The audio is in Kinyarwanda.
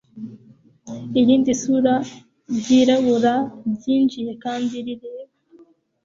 Irindi sura ryirabura ryinjiye kandi rireba